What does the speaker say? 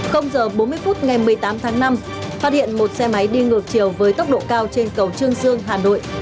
h bốn mươi phút ngày một mươi tám tháng năm phát hiện một xe máy đi ngược chiều với tốc độ cao trên cầu trương dương hà nội